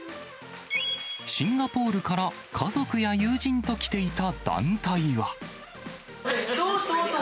シンガポールから家族や友人と来ていた団体は。